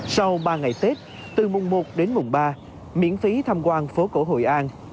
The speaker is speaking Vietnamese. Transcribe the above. sau ba ngày tết từ mùng một đến mùng ba miễn phí tham quan phố cổ hội an